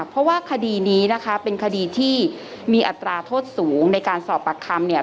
เพราะว่าคดีนี้นะคะเป็นคดีที่มีอัตราโทษสูงในการสอบปากคำเนี่ย